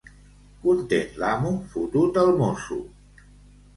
Content l'amo, fotut el mosso.